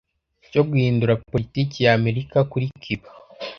cyo guhindura politiki ya Amerika kuri Cuba